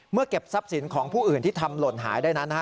เก็บทรัพย์สินของผู้อื่นที่ทำหล่นหายได้นั้น